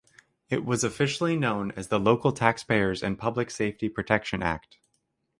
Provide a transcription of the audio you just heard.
It was officially known as the Local Taxpayers and Public Safety Protection Act.